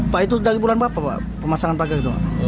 pak itu dari bulan berapa pemasangan pake gitu